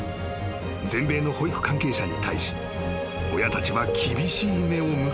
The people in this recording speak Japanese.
［全米の保育関係者に対し親たちは厳しい目を向けるようになった］